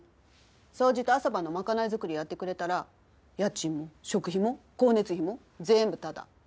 掃除と朝晩の賄い作りやってくれたら家賃も食費も光熱費も全部タダ。